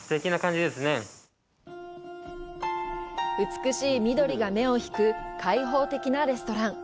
美しい緑が目を引く開放的なレストラン。